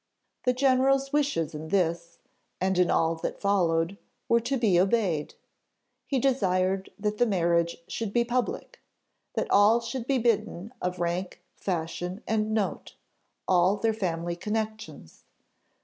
The general's wishes in this, and in all that followed, were to be obeyed. He desired that the marriage should be public, that all should be bidden of rank, fashion, and note all their family connections.